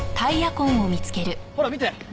ほら見て。